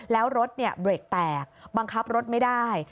แล้วรถเบรกแตกบังคับรถไม่ได้